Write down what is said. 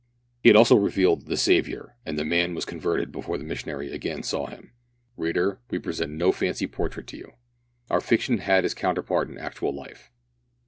He had also revealed the Saviour, and the man was converted before the missionary again saw him. Reader, we present no fancy portrait to you. Our fiction had its counterpart in actual life.